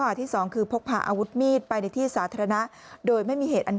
ที่สองคือพกพาอาวุธมีดไปในที่สาธารณะโดยไม่มีเหตุอัน